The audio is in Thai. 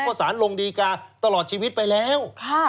เพราะสารลงดีกาตลอดชีวิตไปแล้ว